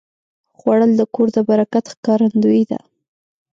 خوړل د کور د برکت ښکارندویي ده